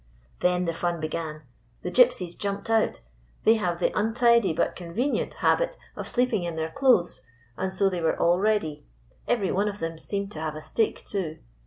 " Then the fun began. The Gypsies jumped out. They have the untidy but convenient habit of sleeping in their clothes, and so they were all ready. Every one of them seemed to have a stick, too.